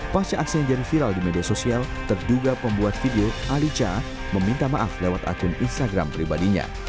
pasca aksi yang jadi viral di media sosial terduga pembuat video alica meminta maaf lewat akun instagram pribadinya